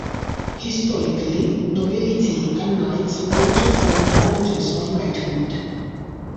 Historically, nobility and knights have also formed Orders of Knighthood.